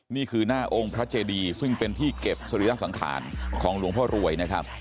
นี่คือหน้าองค์พระเจดีซึ่งเป็นที่เก็บสรีระสังขารของหลวงพ่อรวยนะครับ